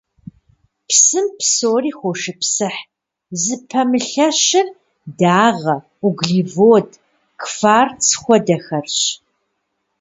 Псым псори хошыпсыхь, зыпэмылъэщыр дагъэ, углевод, кварц хуэдэхэрщ.